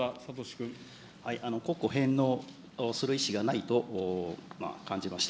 国庫返納する意思がないと感じました。